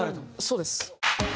そうです。